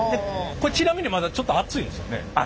これちなみにまだちょっと熱いですよね？